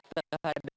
terhadap penuntut umum